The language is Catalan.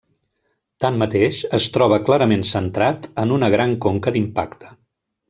Tanmateix, es troba clarament centrat en una gran conca d'impacte.